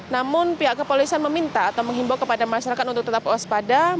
namun pihak kepolisian meminta atau menghimbau kepada masyarakat untuk menangkap terduga teroris ini